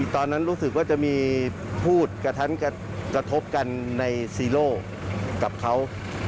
ตอนนั้นรู้สึกว่าจะมีพูดกระทันกระทบกันในซีโร่กับเขา